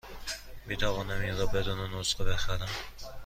می توانم این را بدون نسخه بخرم؟